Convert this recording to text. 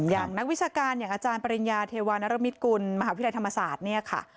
อย่างนักวิชาการอย่างอาจารย์ปริญญาเทวานรมิตกุลมหาวิทยาธรรมศาสตร์